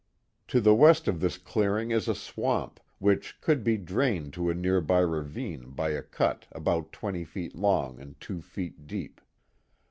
To the west of this clearing is a swamp, which could be drained to a near by ravine by a cut about twenty feet long and two feet deep.